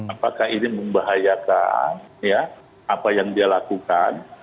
apakah ini membahayakan apa yang dia lakukan